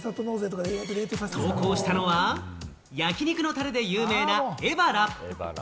投稿したのは焼き肉のタレで有名なエバラ。